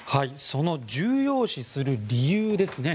その重要視する理由ですね。